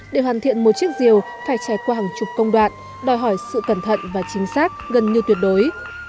để hoàn thiện một chiếc rìu phải trải qua hàng chục công đoạn đòi hỏi sự cẩn thận và chính xác gần như tuyệt đối